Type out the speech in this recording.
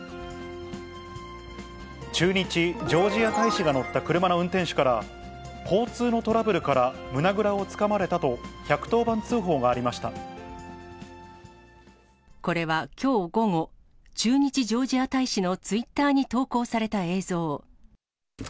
駐日ジョージア大使が乗った車の運転手から、交通のトラブルから胸ぐらをつかまれたと、１１０番通報がありまこれはきょう午後、駐日ジョージア大使のツイッターに投稿された映像。